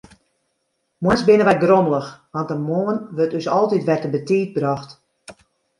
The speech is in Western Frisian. Moarns binne wy grommelich, want de moarn wurdt ús altyd wer te betiid brocht.